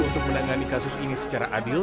untuk menangani kasus ini secara adil